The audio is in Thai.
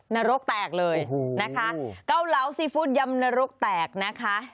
นรกแตกเลยนะคะเกาเหลาซีฟู้ดยำนรกแตกนะคะ